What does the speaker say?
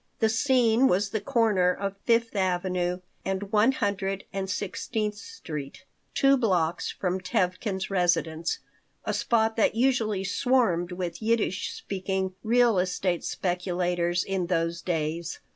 The scene was the corner of Fifth Avenue and One Hundred and Sixteenth Street, two blocks from Tevkin's residence, a spot that usually swarmed with Yiddish speaking real estate speculators in those days.